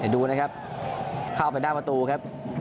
ดูนะครับเข้าไปหน้าประตูครับ